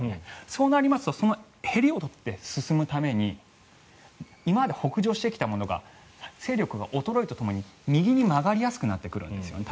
そうなりますとそのへりを取って進むために今まで北上してきたものが勢力が衰えるとともに右に曲がりやすくなってくるんですね。